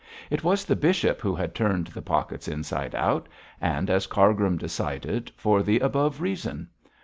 It was the bishop who had turned the pockets inside out, and, as Cargrim decided, for the above reason.